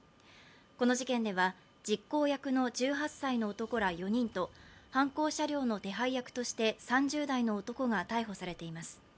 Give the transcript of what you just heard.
この事件では、実行役の１８歳の男ら４人と犯行車両の手配役として３０代の男が逮捕されています。